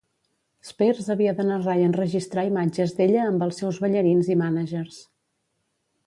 Spears havia de narrar i enregistrar imatges d'ella amb els seus ballarins i mànagers.